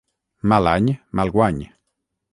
Mal any, mal guany.